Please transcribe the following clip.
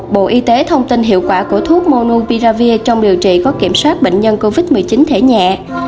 bộ y tế thông tin hiệu quả của thuốc monu piravir trong điều trị có kiểm soát bệnh nhân covid một mươi chín thể nhẹ